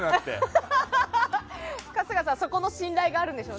春日さん、そこの信頼があるんでしょうね。